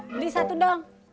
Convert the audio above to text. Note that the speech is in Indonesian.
beli satu dong